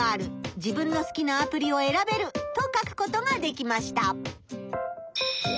自分の好きなアプリをえらべる」と書くことができました。